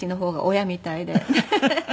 フフフフ。